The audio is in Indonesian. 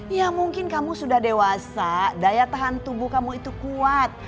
ya mungkin kamu sudah dewasa daya tahan tubuh kamu itu kuat